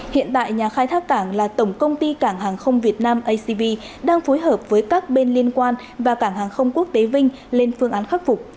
hiện tại nhà khai thác cảng là tổng công ty cảng hàng không việt nam acv đang phối hợp với các bên liên quan và cảng hàng không quốc tế vinh lên phương án khắc phục